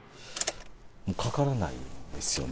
かからないんですよね。